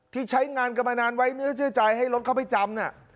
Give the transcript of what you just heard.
ที่ใช้งานกันมานานไว้เนื้อเชื่อใจให้รถเข้าไปจำ